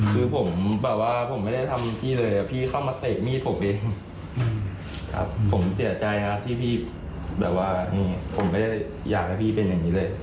คือผมแบบว่าผมไม่ได้ทำพี่เลยพี่เข้ามาเตะมีดผมเองครับผมเสียใจครับที่พี่แบบว่านี่ผมไม่ได้อยากให้พี่เป็นอย่างนี้เลย